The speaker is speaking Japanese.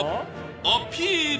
アピール！